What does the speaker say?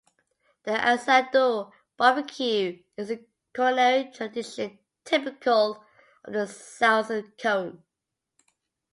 The "asado" barbecue is a culinary tradition typical of the Southern Cone.